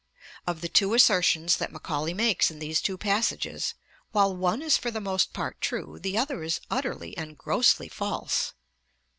Of the two assertions that Macaulay makes in these two passages, while one is for the most part true, the other is utterly and grossly false.